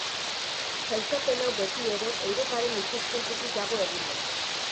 Sailkapen hau, beti ere, Europaren ikuspuntutik dago egina.